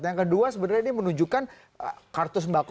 yang kedua sebenarnya ini menunjukkan kartu sembako